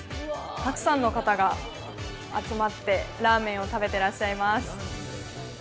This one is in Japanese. たくさんの方が集まってラーメンを食べてらっしゃいます。